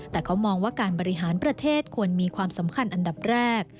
แต่เขามองว่าการบริหารประเทศควรมีความสำคัญอันดับแรก